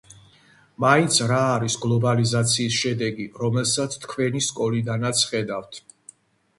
მაინც რა არის გლობალიზაციის შედეგი რომელსაც თქვენი სკოლიდანაც ხედავთ